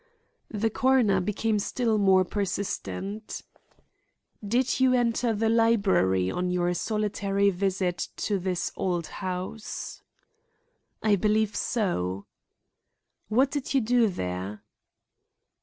The coroner became still more persistent. "Did you enter the library on your solitary visit to this old house?" "I believe so." "What did you do there?"